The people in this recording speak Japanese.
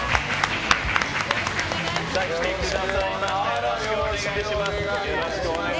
よろしくお願いします。